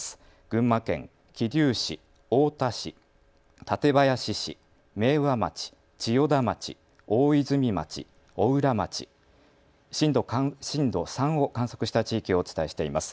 群馬県桐生市、太田市、館林市、明和町、千代田町、大泉町、邑楽町、震度３を観測した地域をお伝えしています。